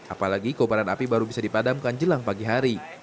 apalagi kobaran api baru bisa dipadamkan jelang pagi hari